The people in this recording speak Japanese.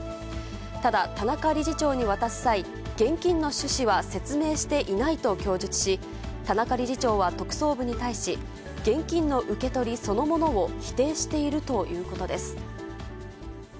ただ、田中理事長に渡す際、現金の趣旨は説明していないと供述し、田中理事長は特捜部に対し、現金の受け取りそのものを否定しているということです。